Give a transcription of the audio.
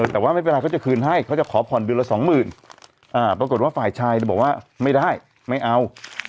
แต่ว่าไม่เป็นไรเขาจะคืนให้เขาจะขอผ่อนเดือนละสองหมื่นปรากฏว่าฝ่ายชายบอกว่าไม่ได้ไม่เอา